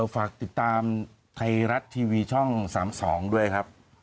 ฝากติดตามไทยรัฐทีวีช่อง๓๒ด้วยครับ